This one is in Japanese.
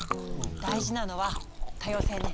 大事なのは多様性ね。